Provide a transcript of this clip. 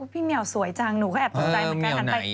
พี่เหมียวสวยจังหนูก็แอบตกใจเหมือนกันหันไป